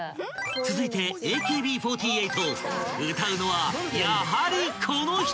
［続いて「ＡＫＢ４８」歌うのはやはりこの人！］